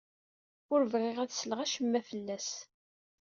Ur bɣiɣ ad sleɣ acemma fell-as.